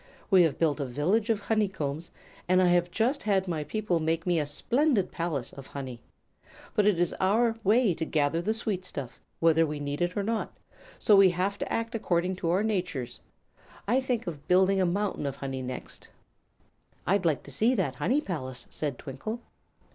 We have built a village of honeycombs, and I have just had my people make me a splendid palace of honey. But it is our way to gather the sweet stuff, whether we need it or not, so we have to act according to our natures. I think of building a mountain of honey next." "I'd like to see that honey palace," said Twinkle.